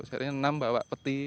jadinya enam bawa peti itu